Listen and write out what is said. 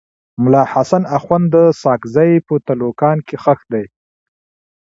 ملا حسن اخند ساکزی په تلوکان کي ښخ دی.